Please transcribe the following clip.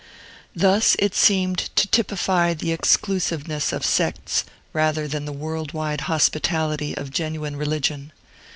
Thus it seemed to typify the exclusiveness of sects rather than the worldwide hospitality of genuine religion.